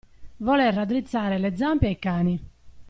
Voler raddrizzare le zampe ai cani.